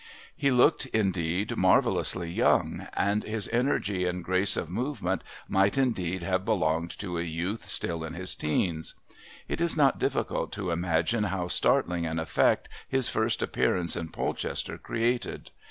He looked, indeed, marvellously young, and his energy and grace of movement might indeed have belonged to a youth still in his teens. It is not difficult to imagine how startling an effect his first appearance in Polchester created.